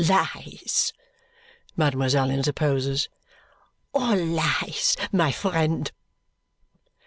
"Lies!" mademoiselle interposes. "All lies, my friend!"